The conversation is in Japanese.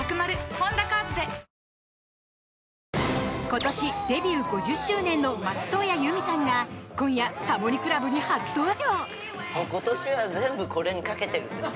今年デビュー５０周年の松任谷由実さんが今夜「タモリ倶楽部」に初登場！